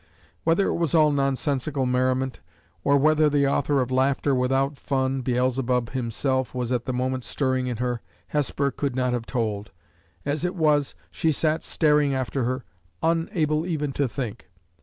Whether it was all nonsensical merriment, or whether the author of laughter without fun, Beelzebub himself, was at the moment stirring in her, Hesper could not have told; as it was, she sat staring after her, unable even to think.